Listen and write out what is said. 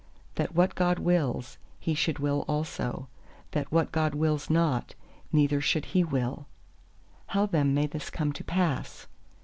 _" That what God wills, he should will also; that what God wills not, neither should he will. "How then may this come to pass?"